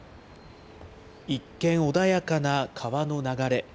一見穏やかな川の流れ。